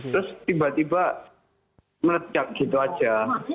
terus tiba tiba meledak gitu aja